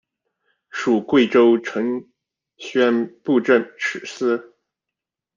属贵州承宣布政使司。